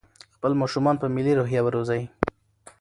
خپل ماشومان په ملي روحيه وروزئ.